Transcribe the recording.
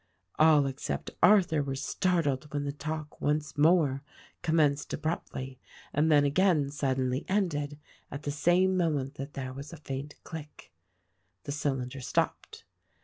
All except Arthur were startled when the talk once more commenced abruptly and then again suddenly ended, at the same moment that there was a faint click. The cylinder stopped.